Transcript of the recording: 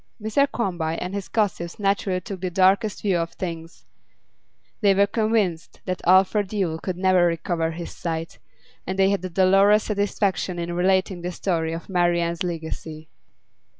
Mr Quarmby and his gossips naturally took the darkest view of things; they were convinced that Alfred Yule could never recover his sight, and they had a dolorous satisfaction in relating the story of Marian's legacy.